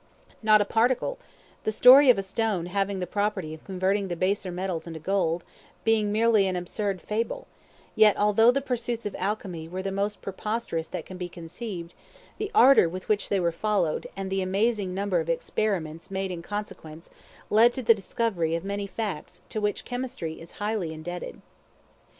Not a particle; the story of a stone having the property of converting the baser metals into gold being merely an absurd fable: yet, although the pursuits of Alchemy were the most preposterous that can be conceived, the ardor with which they were followed, and the amazing number of experiments made in consequence, led to the discovery of many facts to which Chemistry is highly indebted. Preposterous, absurd, foolish; contrary to nature or reason.